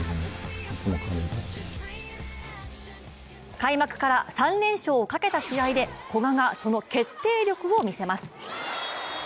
開幕から３連勝をかけた試合で古賀がその決定力をみせます。